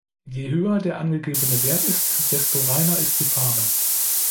Je höher der angegebene Wert ist, desto reiner ist die Farbe.